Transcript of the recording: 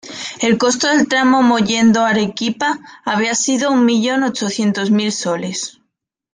El costo del tramo Mollendo-Arequipa había sido un millón ochocientos mil soles.